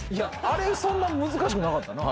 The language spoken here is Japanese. あれそんな難しくなかったな。